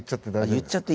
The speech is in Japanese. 言っちゃって。